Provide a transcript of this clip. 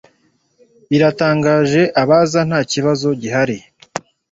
Biratangaje abaza Nta kibazo gihari